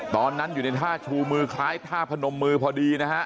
ตอนนั้นอยู่ในท่าชูมือคล้ายท่าพนมมือพอดีนะฮะ